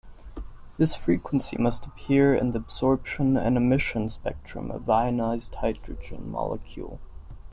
This frequency must appear in the absorption and emission spectrum of ionized hydrogen molecule.